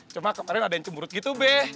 cuma kemaren ada yang cemurut gitu be